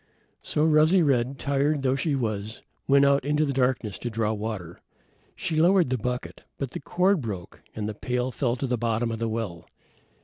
So Rosy red, tired though she was, went out in the darkness to draw water. She lowered the bucket, but the cord broke and the pail fell to the bottom of the well.